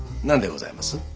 何でございます？